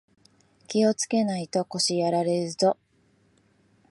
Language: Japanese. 気をつけないと腰やられるぞ